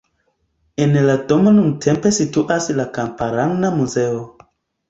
En la domo nuntempe situas la kamparana muzeo.